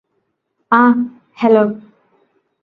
അഹ് hello